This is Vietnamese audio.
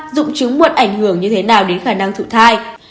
ba dụng trứng muộn ảnh hưởng như thế nào đến khả năng thụ thai